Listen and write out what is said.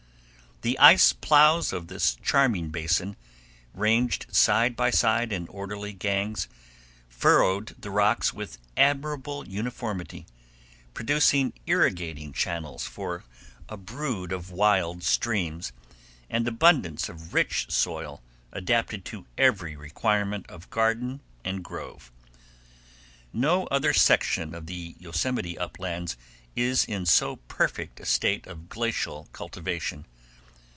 The ice plows of this charming basin, ranged side by side in orderly gangs, furrowed the rocks with admirable uniformity, producing irrigating channels for a brood of wild streams, and abundance of rich soil adapted to every requirement of garden and grove. No other section of the Yosemite uplands is in so perfect a state of glacial cultivation.